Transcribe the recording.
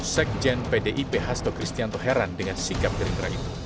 sekjen pdip hasto kristianto heran dengan sikap gerindra itu